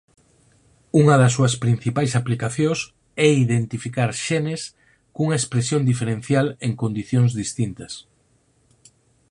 Unha das súas principais aplicacións é identificar xenes cunha expresión diferencial en condicións distintas.